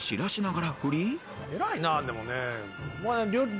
偉いなでもね。